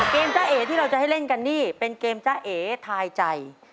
จ้าเอ๋ที่เราจะให้เล่นกันนี่เป็นเกมจ้าเอ๋ทายใจ